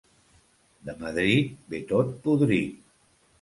De Madrid ve tot podrit!